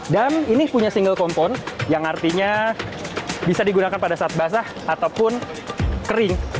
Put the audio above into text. dan ini punya single compound yang artinya bisa digunakan pada saat basah ataupun kering